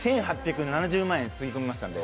１８７０万円つぎ込みましたので。